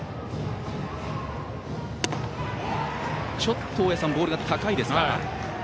ちょっと、大矢さんボールが高いですかね。